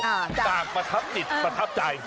ต่างประทับจิตประทับใจ